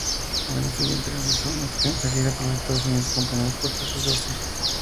Al año siguiente realizaron una extensa gira por Estados Unidos acompañados por The Sugarcubes.